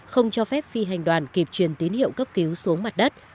không cho phép phi hành đoàn kịp truyền tín hiệu cấp cứu xuống mặt đất